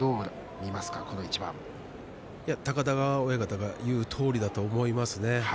高田川親方が言うとおりだと思います。